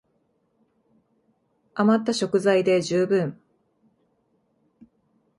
あまった食材で充分